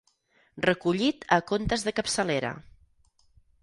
Recollit a Contes de capçalera.